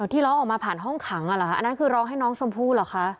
ที่ร้องออกมาผ่านห้องขังเหรอคะอันนั้นคือร้องให้น้องชมพู่เหรอคะ